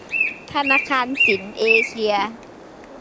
ธนาคารสินเอเซีย